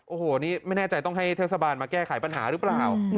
โอ้โหนี่ไม่แน่ใจต้องให้เทศบาลมาแก้ไขปัญหาหรือเปล่า